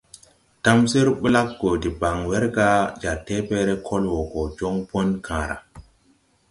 Tamsir blaggo deban werga jar tebęęre kol wo go jon bon kããra.